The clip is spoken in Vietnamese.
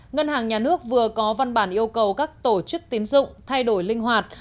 ngân hàng nhà nước vừa có văn bản yêu cầu các tổ chức tín dụng thay đổi linh hoạt